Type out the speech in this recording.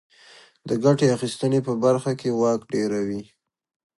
د ګټې اخیستنې په برخه کې واک ډېروي.